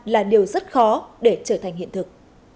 là điều rất khó để trở thành hiện thực